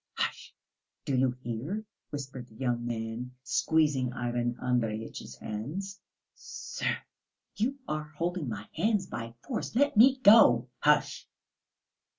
"Hush! Do you hear?" whispered the young man, squeezing Ivan Andreyitch's hands. "Sir, you are holding my hands by force. Let me go!" "Hush!"